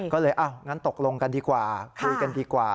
ก็เลยงั้นตกลงกันดีกว่าคุยกันดีกว่า